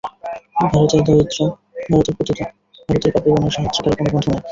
ভারতের দরিদ্র, ভারতের পতিত, ভারতের পাপিগণের সাহায্যকারী কোন বন্ধু নাই।